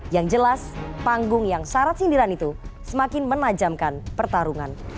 yang jelas panggung yang syarat sindiran itu semakin menajamkan pertarungan